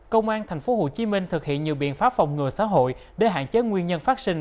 công an tp hcm thực hiện nhiều biện pháp phòng ngừa xã hội để hạn chế nguyên nhân phát sinh